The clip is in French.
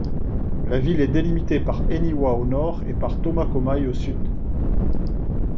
La ville est délimitée par Eniwa au nord, et par Tomakomai au sud.